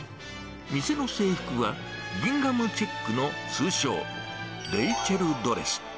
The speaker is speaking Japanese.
店の制服は、ギンガムチェックの通称、レイチェルドレス。